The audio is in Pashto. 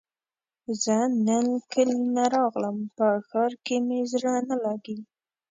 زۀ نن کلي نه راغلم په ښار کې مې زړه نه لګي